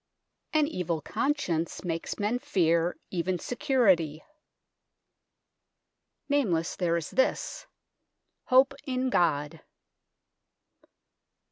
"An evil conscience makes men fear even security." Nameless, there is this :" Hope in God."